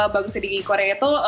bangun sedinggi korea itu